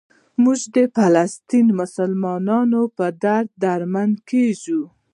موږ د فلسطیني مسلمانانو په درد دردمند کېږو.